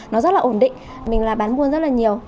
nó rất là ổn định mình là bán buôn rất là nhiều